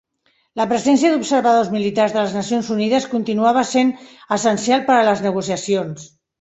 La presència d'observadors militars de les Nacions Unides continuava sent essencial per a les negociacions.